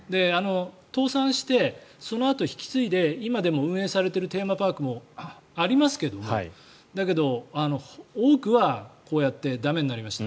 倒産して、そのあと引き継いで今でも運営されているテーマパークもありますがだけど多くはこうやって駄目になりました。